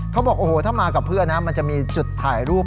เขาบอกโอ้โหถ้ามากับเพื่อนนะมันจะมีจุดถ่ายรูป